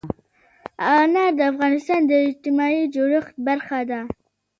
انار د افغانستان د اجتماعي جوړښت برخه ده.